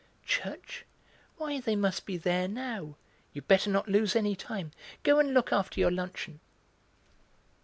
"Church! why, they must be there now; you'd better not lose any time. Go and look after your luncheon."